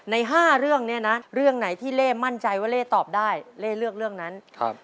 ใน๕เรื่องนี้นะเรื่องไหนที่เล่มั่นใจว่าเล่ตอบได้เล่เลือกเรื่องนั้น